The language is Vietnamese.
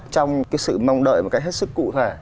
trong cái sự mong đợi một cách hết sức cụ thể